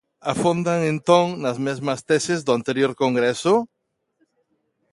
Afondan entón nas mesmas teses do anterior congreso?